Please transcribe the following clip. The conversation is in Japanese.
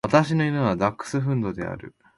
私の犬はダックスフンドである。